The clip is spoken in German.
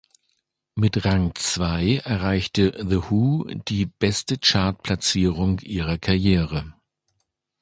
Mit Rang Zwei erreichte The Who die beste Chart-Platzierung ihrer Karriere.